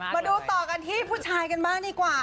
มาดูต่อกันที่ผู้ชายกันบ้างดีกว่า